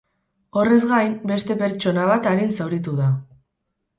Horrez gain, beste pertsona bat arin zauritu da.